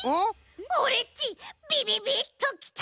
オレっちビビビッときた！